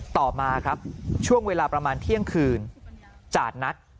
ต่อมาครับช่วงเวลาประมาณเที่ยงคืนจาดนัด